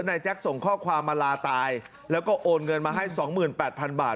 แจ็คส่งข้อความมาลาตายแล้วก็โอนเงินมาให้๒๘๐๐๐บาท